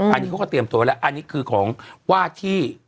อันนี้เขาก็เตรียมตัวแล้วอันนี้คือของว่าที่